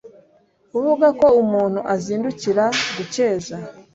kuvuga ko umuntu uzindukira gukeza